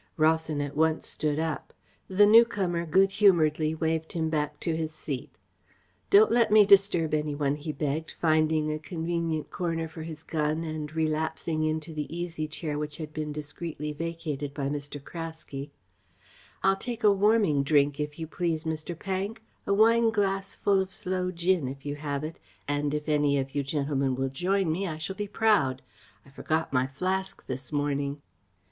Rawson at once stood up. The newcomer good humouredly waved him back to his seat. "Don't let me disturb any one," he begged, finding a convenient corner for his gun and relapsing into the easy chair which had been discreetly vacated by Mr. Craske. "I'll take a warming drink, if you please, Mr. Pank. A wineglassful of sloe gin, if you have it, and if any of you gentlemen will join me, I shall be proud. I forgot my flask this morning."